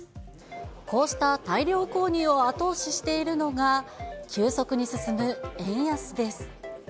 こうした大量購入を後押ししているのが、急速に進む円安です。